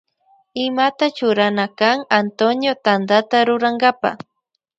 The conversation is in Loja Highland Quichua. Imata churana kan Antonio Tantata rurankapa.